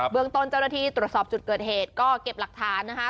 เมืองต้นเจ้าหน้าที่ตรวจสอบจุดเกิดเหตุก็เก็บหลักฐานนะคะ